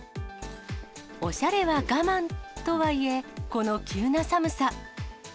おしゃれは我慢とはいえ、この急な寒さ。